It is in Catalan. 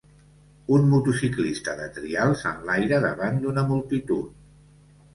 Un motociclista de trial s'enlaira davant d'una multitud